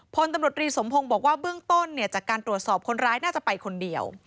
พลตำรวจรีสมพงศ์บอกว่าเบื้องต้นเนี่ยจากการตรวจสอบคนร้ายน่าจะไปคนเดียว